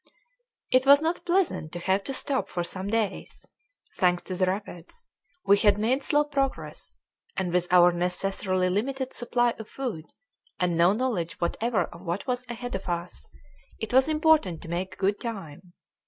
It was not pleasant to have to stop for some days; thanks to the rapids, we had made slow progress, and with our necessarily limited supply of food, and no knowledge whatever of what was ahead of us, it was important to make good time.